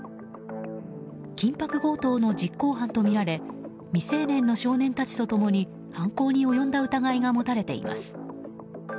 緊縛強盗の実行犯とみられ未成年の少年たちと共に犯行に及んだ疑いが持たれています。